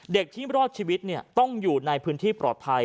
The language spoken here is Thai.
เด็กที่รอดชีวิตต้องอยู่ในพื้นที่ปลอดภัย